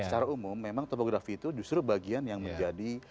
secara umum memang topografi itu justru bagian yang menjadi